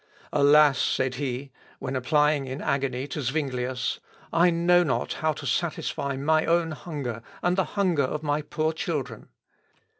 "Alas," said he, when applying in agony to Zuinglius, "I know not how to satisfy my own hunger and the hunger of my poor children."